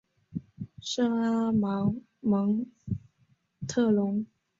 圣阿芒蒙特龙。